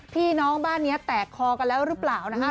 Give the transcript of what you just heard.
พี่น้องบ้านนี้แตกคอกันแล้วหรือเปล่านะคะ